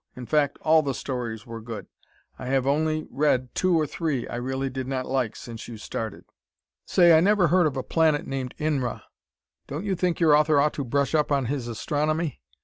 In fact all the stories were good. I have only read two or three I really did not like since you started. Say, I never heard of a planet named Inra. Don't you think your author ought to brush up on his astronomy?